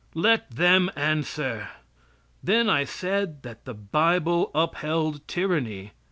Let them answer. Then I said that the bible upheld tyranny.